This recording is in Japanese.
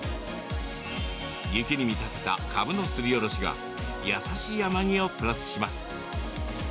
雪に見立てたかぶのすりおろしが優しい甘みをプラスします。